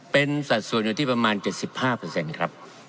เป็นสัดส่วนอยู่ที่ประมาณ๗๕ครับ